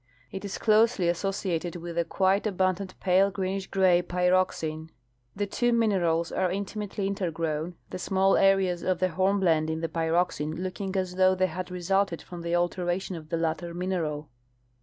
It is closely associated with a quite abundant \yci\e greenish gray pyroxene. The two minerals are intimately intergrown, the small areas of the hornblende in the pyroxene looking as though they had resulted from the alteration of the latter mineral.